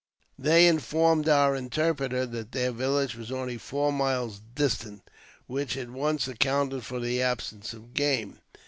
They informed our interpreter that their village was only four miles distant^ which at once accounted for the absence of game.